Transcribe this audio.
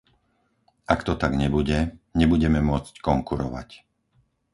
Ak to tak nebude, nebudeme môcť konkurovať.